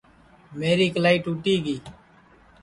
میری اِکلائی ٹُوٹی گی